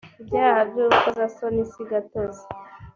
ibyaha by ‘urukozasoni sigatozi.